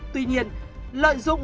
tuy nhiên lợi dụng